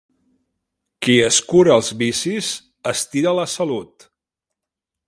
Qui es cura els vicis estira la salut.